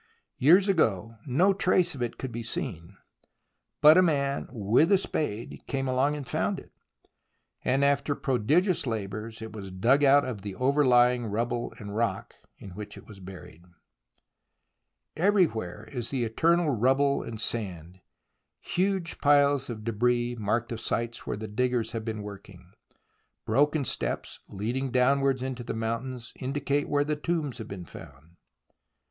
Years ago no trace of it could be seen, but a man with a spade came along and found it, and after prodigious labours it was dug out of the overlying rubble and rock in which it was buried. Everywhere is the eternal rubble and sand. Huge piles of debris mark the sites where the diggers have been working ; broken steps leading down wards into the mountains indicate where tombs have been found.